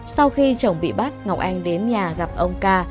sau khi chồng bị bắt ngọc anh đến nhà gặp ông ca